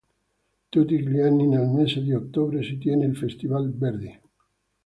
Tutti gli anni nel mese di ottobre si tiene il Festival Verdi.